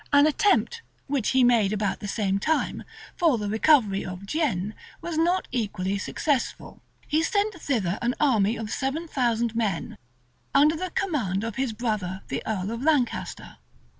An attempt, which he made about the same time, for the recovery of Guienne, was not equally successful. He sent thither an army of seven thousand men, under the command of his brother, the earl of Lancaster.